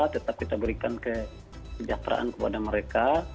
tetap kita berikan kesejahteraan kepada mereka